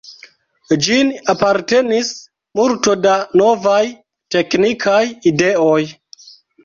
Ĝin apartenis multo da novaj teknikaj ideoj.